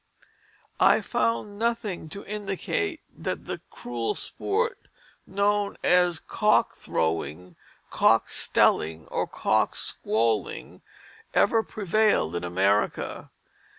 I found nothing to indicate that the cruel sport known as cock throwing, cock steling, or cock squoiling ever prevailed in America.